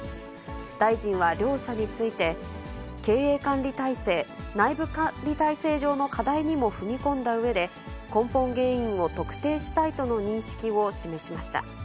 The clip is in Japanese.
大臣は両社について、経営管理体制、内部管理体制上の課題にも踏み込んだうえで、根本原因を特定したいとの認識を示しました。